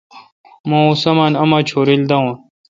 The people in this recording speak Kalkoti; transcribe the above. مہ اوں سامان اوما ڄورل داون۔